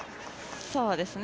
そうですね。